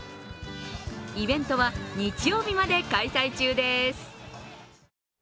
イベントは日曜日まで開催中です。